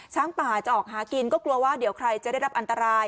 ช้างป่าจะออกหากินก็กลัวว่าเดี๋ยวใครจะได้รับอันตราย